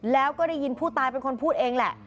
แล้วก็ได้ยินผู้ตายเป็นคนพูดเองแหละ